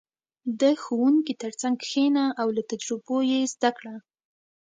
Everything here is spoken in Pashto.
• د ښوونکي تر څنګ کښېنه او له تجربو یې زده کړه.